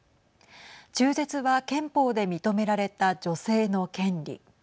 中絶は憲法で認められた女性の権利。